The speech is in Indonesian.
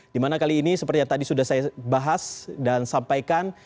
dimana kali ini seperti yang tadi sudah saya bahas dan sampaikan